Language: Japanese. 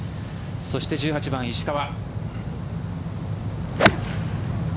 そして１８番、石川。